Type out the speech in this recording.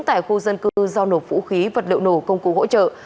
tại khu dân cư do nổ vũ khí vật liệu nổ công cụ hỗ trợ